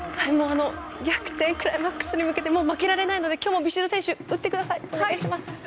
逆転でのクライマックスに向けて負けられないので、今日もビシエド選手打ってください。